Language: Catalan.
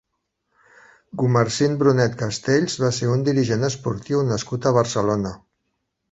Gumersind Brunet Castells va ser un dirigent esportiu nascut a Barcelona.